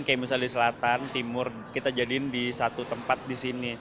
kayak misalnya di selatan timur kita jadiin di satu tempat di sini